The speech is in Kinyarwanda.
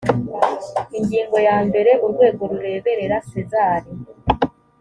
ingingo ya mbere urwego rureberera sezar